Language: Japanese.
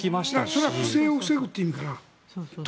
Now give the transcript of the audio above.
それは不正を防ぐという意味かな。